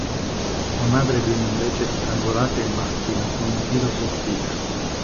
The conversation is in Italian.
Sua madre viene invece strangolata in macchina con un filo sottile.